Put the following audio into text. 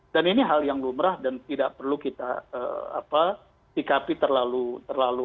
dan ini hal yang lumrah dan tidak perlu kita sikapi terlalu